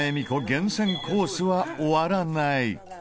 厳選コースは終わらない。